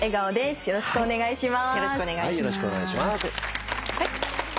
よろしくお願いします。